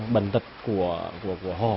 bệnh tật của họ